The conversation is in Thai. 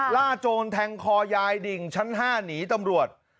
โจรแทงคอยายดิ่งชั้น๕หนีตำรวจ